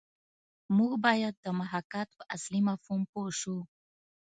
موږ باید د محاکات په اصلي مفهوم پوه شو